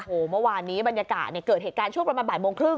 โอ้โหเมื่อวานนี้บรรยากาศเนี่ยเกิดเหตุการณ์ช่วงประมาณบ่ายโมงครึ่ง